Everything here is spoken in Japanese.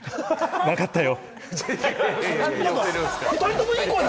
わかったよ！